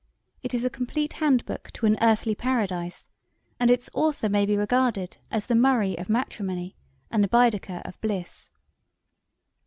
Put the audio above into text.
It is a complete handbook to an earthly Paradise, and its author may be regarded as the Murray of matrimony and the Baedeker of bliss.